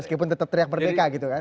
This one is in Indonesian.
meskipun tetap teriak merdeka gitu kan